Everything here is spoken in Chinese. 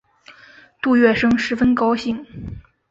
杜月笙十分高兴。